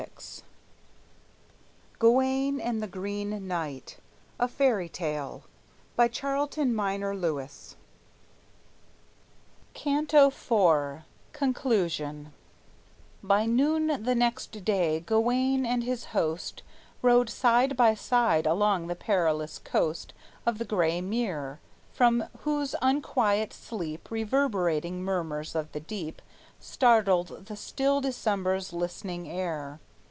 And Gawayne answered firmly: "Not a thing!" CANTO IV CONCLUSION CANTO IV CONCLUSION By noon the next day, Gawayne and his host Rode side by side along the perilous coast Of the gray Mere, from whose unquiet sleep Reverberating murmurs of the deep Startled the still December's listening air.